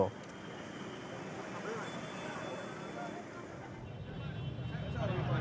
kawasan ini dikatakan sekarang